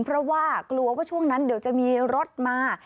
เพราะว่ากลัวว่าช่วงนั้นเดี๋ยวจะมีรถมา